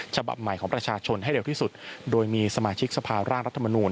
ฉบับใหม่ของประชาชนให้เร็วที่สุดโดยมีสมาชิกสภาร่างรัฐมนูล